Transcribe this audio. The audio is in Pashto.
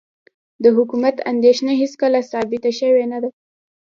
د حکومت اندېښنه هېڅکله ثابته شوې نه ده.